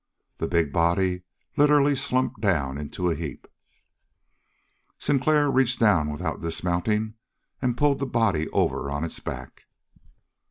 The big body literally slumped down into a heap. Sinclair reached down without dismounting and pulled the body over on its back.